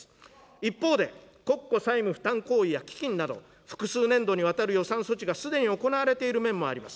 一方で、国庫債務負担行為や基金など、複数年度にわたる予算措置がすでに行われている面もあります。